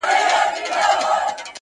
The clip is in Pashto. زۀ اوس د تش ولاړ کنډر څوکیداري نۀ کوم